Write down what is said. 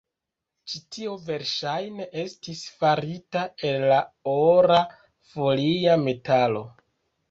Ĉi tio verŝajne estis farita el ora folia metalo.